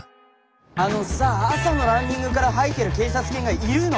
あのさ朝のランニングから吐いてる警察犬がいるの？